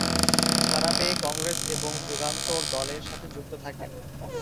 ছাড়া পেয়ে কংগ্রেস এবং যুগান্তর দলের সাথে যুক্ত থাকেন।